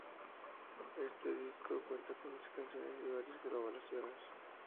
Este disco cuenta con diez canciones y varias colaboraciones.